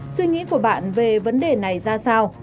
suy nghĩ của bạn về vấn đề này ra sao